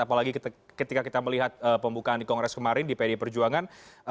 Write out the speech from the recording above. apalagi ketika kita melihat pembukaan di kongres kemarin di pdi perjuangan